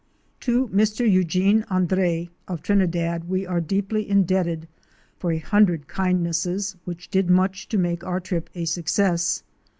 To Mr. Eugene André of Trinidad, we are deeply in debted for a hundred kindnesses which did much to make our trip a success.